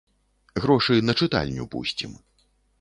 Грошы на чытальню пусцім.